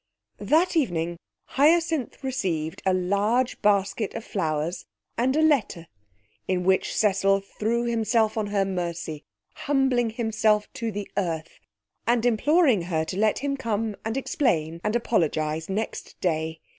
That evening Hyacinth received a large basket of flowers and a letter, in which Cecil threw himself on her mercy, humbling himself to the earth, and imploring her to let him come and explain and apologise next day.